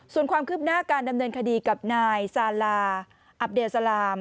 ส่วนความคืบหน้าการดำเนินคดีกับนายซาลาอับเดลสลาม